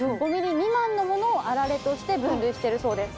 ５ｍｍ未満のものをあられとして分類してるそうです。